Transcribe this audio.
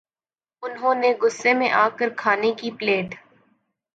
انھوں نے غصے میں آ کر کھانے کی پلیٹ